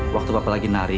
waktu bapak lagi nari